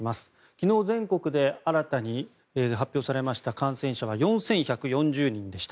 昨日全国で新たに発表されました感染者は４１４０人でした。